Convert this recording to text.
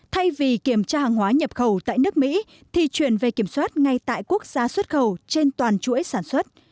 thay vì kiểm tra hàng hóa nhập khẩu tại nước mỹ thì chuyển về kiểm soát ngay tại quốc gia xuất khẩu trên toàn chuỗi sản xuất